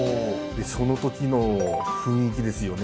でその時の雰囲気ですよね